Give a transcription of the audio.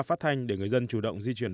phát thanh để người dân chủ động di chuyển